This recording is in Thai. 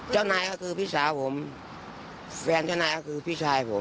เจ้านายก็คือพี่สาวผมแฟนเจ้านายก็คือพี่ชายผม